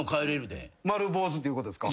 丸坊主っていうことですか？